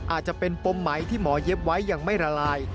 อาจจะเป็นปมไหมที่หมอเย็บไว้ยังไม่ละลาย